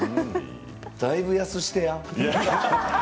だいぶ安くしてや。